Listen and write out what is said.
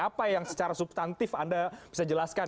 apa yang secara substantif anda bisa jelaskan